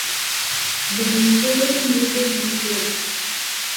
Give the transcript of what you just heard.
Then his family moved to Montreal.